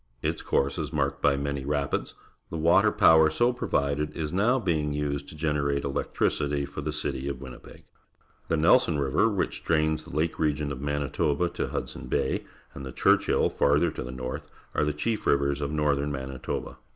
Its course is marked bj' many rapids. The water power so provided is now being used to generate electricitj' for the citj' of Winnipeg. The Nelson River, wliich drains the lake region oT3Ianitoba to Hudson Bay, and the Churchill, farther to the north, are the chief rivers of northern Manitoba.